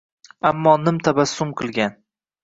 Ammo nim tabassum qilgan.